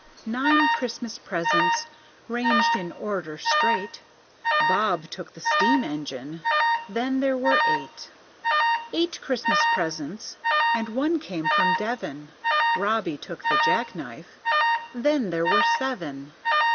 Nine Christmas presents ranged in order straight; Bob took the steam engine, then there were eight. Eight Christmas presents and one came from Devon; Robbie took the jackknife, then there were seven.